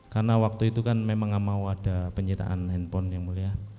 karena waktu itu kan memang enggak mau ada penyitaan handphone yang mulia